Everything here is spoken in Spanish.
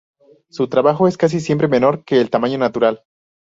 Su trabajo es casi siempre menor que el tamaño natural.